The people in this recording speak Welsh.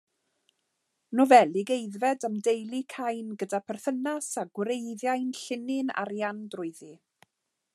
Nofelig aeddfed am deulu Cain gyda pherthynas a gwreiddiau'n llinyn arian drwyddi.